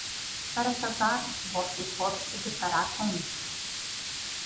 Para casar, você pode se deparar com isso.